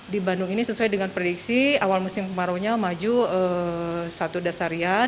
di bandung ini sesuai dengan prediksi awal musim kemarau nya maju satu dasarian